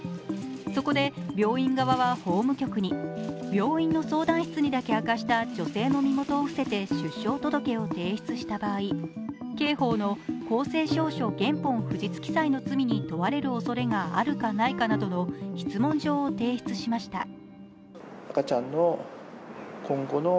そこで病院側は法務局に病院の相談室にだけ明かした女性の身元を伏せて出生届を提出した場合刑法の公正証書原本不実記載の罪に問われる恐れがあるかないかなどの質問状を提出しました。